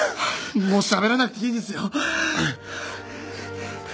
もうしゃべらなくていいですよ。